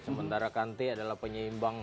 sementara kante adalah penyeimbang